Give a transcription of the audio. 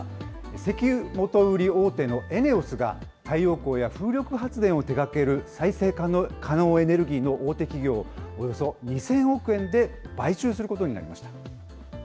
石油元売り大手のＥＮＥＯＳが、太陽光や風力発電を手がける再生可能エネルギーの大手企業をおよそ２０００億円で買収することになりました。